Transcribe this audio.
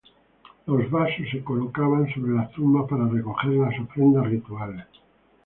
Los vasos se colocaban sobre las tumbas para recoger las ofrendas rituales.